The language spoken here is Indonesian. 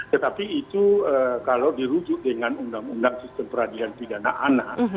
tetapi itu kalau dirujuk dengan undang undang sistem peradilan pidana anak